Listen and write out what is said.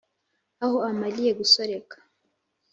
Aho amaliye gusoreka